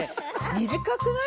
短くない？